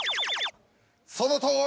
そのとおり！